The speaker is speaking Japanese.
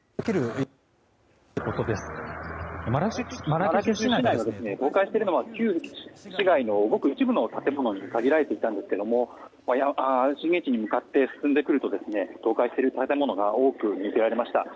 マラケシュ市内で倒壊しているのは旧市街のごく一部に限られていたんですが震源地に向かって進んでくると倒壊する建物が多く見受けられました。